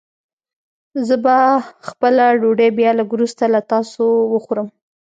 زه به خپله ډوډۍ بيا لږ وروسته له تاسو وخورم.